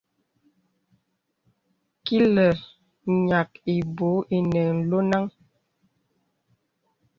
Kilə̀ ǹyàk ìbūū ìnə lɔnàŋ.